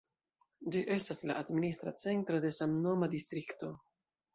Ĝi estas la administra centro de samnoma distrikto.